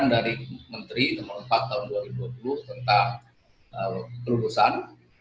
ada cara kita mengajar ada permainan sebuah edaran dari menteri empat tahun dua ribu dua puluh tentang lulusan